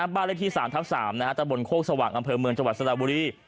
บ้านเลขที่สามท้าสามนะฮะบนโคกสว่างอำเภอเมืองจังหวัดสลับบุรี